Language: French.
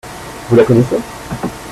Vous la connaissez ?